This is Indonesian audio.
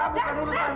mau kemana dad